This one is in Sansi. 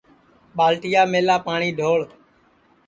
ٻالٹیا میلا پاٹؔی ڈھوڑ